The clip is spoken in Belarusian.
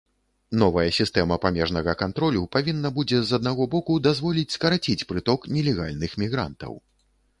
Новая сістэма памежнага кантролю павінна будзе з аднаго боку дазволіць скараціць прыток нелегальных мігрантаў.